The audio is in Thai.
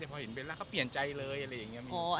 แต่พอเห็นเบลล่าเขาเปลี่ยนใจเลยอะไรอย่างนี้